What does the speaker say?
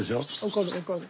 怒る怒る。